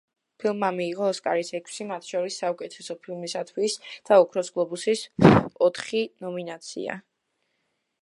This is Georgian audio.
ფილმმა მიიღო ოსკარის ექვსი მათ შორის საუკეთესო ფილმისთვის და ოქროს გლობუსის ოთხი ნომინაცია.